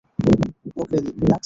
ওকে, relax.